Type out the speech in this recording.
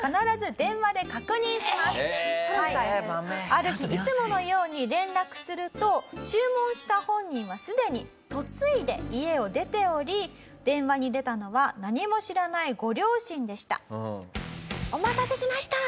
ある日いつものように連絡すると注文した本人はすでに嫁いで家を出ており電話に出たのはお待たせしました！